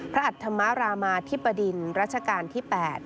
อัธมรามาธิบดินรัชกาลที่๘